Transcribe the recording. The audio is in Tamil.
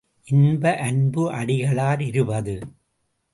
இன்ப அன்பு அடிகளார் இருபது.